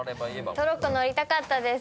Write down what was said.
トロッコ乗りたかったです。